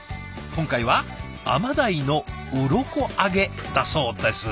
今回は甘ダイのウロコ揚げだそうです。